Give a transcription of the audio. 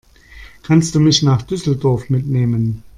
Kannst du mich nach Düsseldorf mitnehmen?